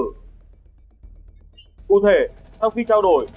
cụ thể sau khi trao đổi